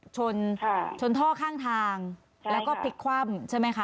ชนชนท่อข้างทางแล้วก็พลิกคว่ำใช่ไหมคะ